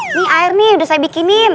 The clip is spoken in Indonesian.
ini air nih udah saya bikinin